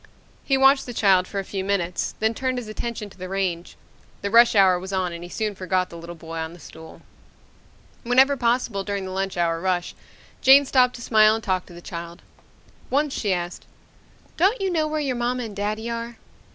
He watched the child for a few minutes, then turned his attention to the range. The rush hour was on and he soon forgot the little boy on the stool ... Whenever possible during the lunch hour rush, Jane stopped to smile and talk to the child. Once she asked, "Don't you know where your mama and daddy are?"